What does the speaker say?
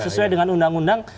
sesuai dengan undang undang